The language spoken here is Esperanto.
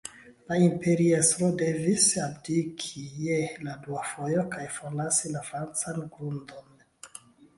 La imperiestro devis abdiki je la dua fojo kaj forlasi la francan grundon.